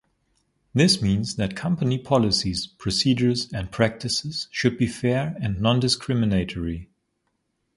This means that company policies, procedures, and practices should be fair and non-discriminatory.